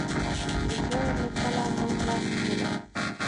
د زړه له تله هوکړه نه ده.